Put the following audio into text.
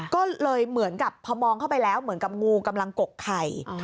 ก็เลยเหมือนกับพอมองเข้าไปแล้วเหมือนกับงูกำลังกกไข่